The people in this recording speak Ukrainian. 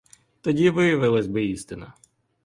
Тоді виявилась би істина.